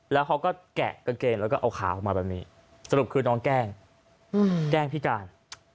แล้วเขาก็แกะกางเกงแล้วก็เอาขาออกมาแบบนี้สรุปคือน้องแกล้งแกล้งพิการ